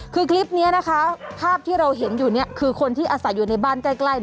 คือคลิปนี้นะคะภาพที่เราเห็นอยู่คือคนที่อาสระในบ้านใกล้